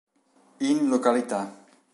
In Loc.